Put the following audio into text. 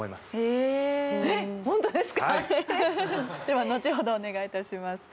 ではのちほどお願いいたします。